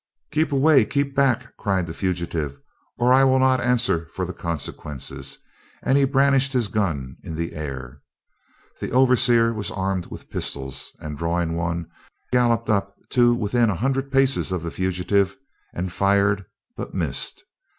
"Keep away! keep back!" cried the fugitive, "or I will not answer for the consequences," and he brandished his gun in the air. The overseer was armed with pistols and, drawing one, galloped up to within a hundred paces of the fugitive and fired, but missed.